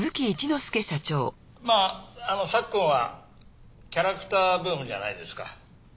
まあ昨今はキャラクターブームじゃないですか。